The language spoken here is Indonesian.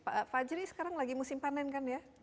pak fajri sekarang lagi musim panen kan ya